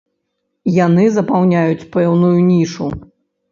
Яны запаўняюць пэўную нішу.